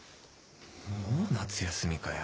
もう夏休みかよ。